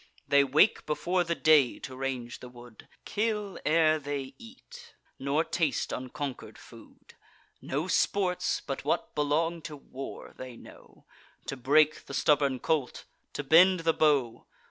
They wake before the day to range the wood, Kill ere they eat, nor taste unconquer'd food. No sports, but what belong to war, they know: To break the stubborn colt, to bend the bow.